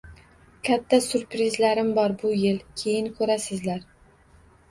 Katta syurprizlarim bor bu yil, keyin ko‘rasizlar.